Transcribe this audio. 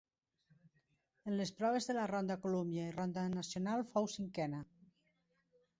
En les proves de la ronda Columbia i ronda Nacional fou cinquena.